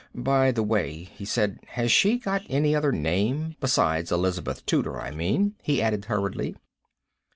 "By the way," he said, "has she got any other name? Besides Elizabeth Tudor, I mean," he added hurriedly.